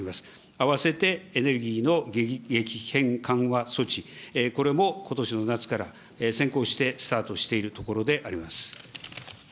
あわせてエネルギーの激変緩和措置、これもことしの夏から、先行してスタートしているところであります。